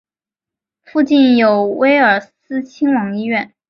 附近有威尔斯亲王医院。